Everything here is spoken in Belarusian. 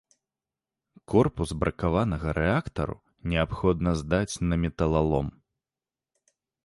Корпус бракаванага рэактару неабходна здаць на металалом.